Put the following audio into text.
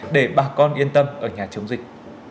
để bà con yên tâm ở nhà chống dịch